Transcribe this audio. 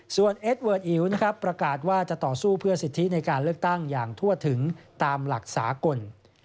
ส่วนเอสเวิร์ดอิ๋วนะครับประกาศว่าจะต่อสู้เพื่อสิทธิในการเลือกตั้งอย่างทั่วถึงตามหลักสากล